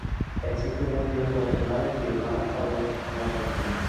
Existen dos videos promocionales filmadas para la canción.